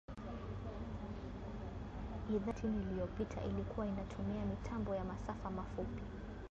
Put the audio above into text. Idhaa ilipoanza miaka ya sitini iliyopita ilikua inatumia mitambo ya masafa mafupi